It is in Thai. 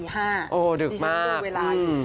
ดิฉันดูเวลาอยู่